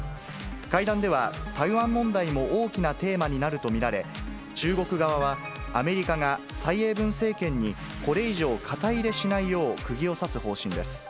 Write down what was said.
会談では、台湾問題も大きなテーマになると見られ、中国側は、アメリカが蔡英文政権にこれ以上、肩入れしないようくぎを刺す方針です。